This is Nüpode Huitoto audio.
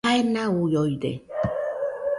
Jae nauioide